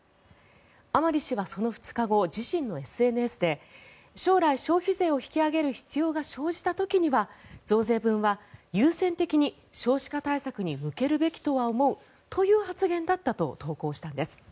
甘利氏はその２日後自身のＳＮＳで将来、消費税を引き上げる必要が生じた時には増税分は優先的に少子化対策に向けるべきだと思うという発言だったと投稿したんです。